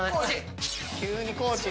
急にコーチに。